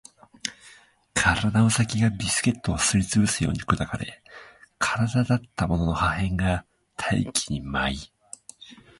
体の先がビスケットをすり潰すように砕かれ、体だったものの破片が大気に舞い